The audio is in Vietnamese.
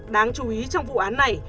đáng chú ý trong vụ án này